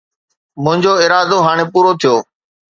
منهنجو ارادو هاڻي پورو ٿيو